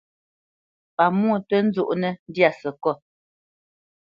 Pamwô tǝ́ nzɔnǝ́ ndyâ sǝkôt.